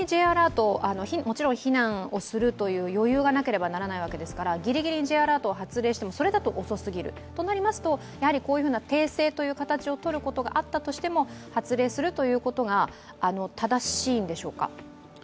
もちろん避難をするという余裕がなければならないわけですからギリギリにＪアラートを発令しても遅すぎる、やはり訂正という形をとることがあったとしても発令するということが正しいんでしょうか？